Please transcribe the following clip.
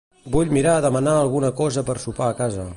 Vull mirar demanar alguna cosa per sopar a casa.